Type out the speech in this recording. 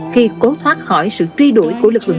khi cố thoát khỏi sự truy đuổi của lực lượng